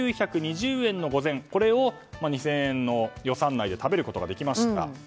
これを２０００円の予算内で食べることができました。